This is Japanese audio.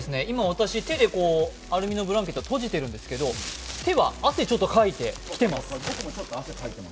私、手でアルミのブランケットを閉じているんですけど、手は汗ちょっとかいてきています。